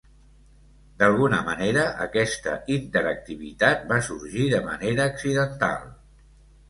D'alguna manera, aquesta interactivitat va sorgir de manera accidental.